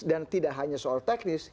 dan tidak hanya soal teknis